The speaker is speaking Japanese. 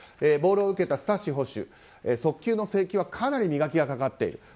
ボールを受けたスタッシ捕手速球の制球はかなり磨きがかかっている。